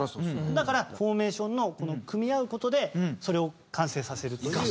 だからフォーメーションのこの組み合う事でそれを完成させるという。